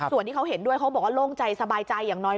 ส่วนที่เขาเห็นด้วยเขาบอกว่าโล่งใจสบายใจอย่างน้อย